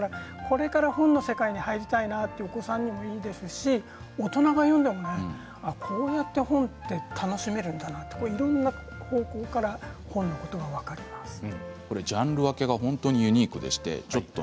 これから本の世界に入りたいなというお子さんでもいいですし大人が読んでもこうやって本は楽しめるんだということがいろんな方向からジャンル分けが非常にユニークです。